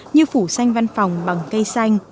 như phủ xanh văn phòng bằng cây xanh